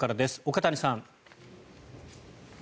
岡谷さん。